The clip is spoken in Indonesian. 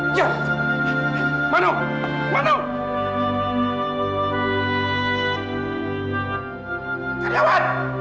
biar teman terpulang